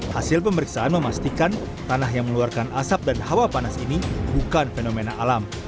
hasil pemeriksaan memastikan tanah yang mengeluarkan asap dan hawa panas ini bukan fenomena alam